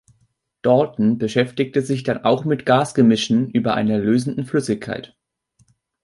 Dalton beschäftigte sich dann auch mit Gasgemischen über einer lösenden Flüssigkeit.